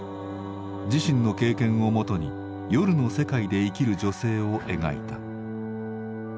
自身の経験をもとに夜の世界で生きる女性を描いた。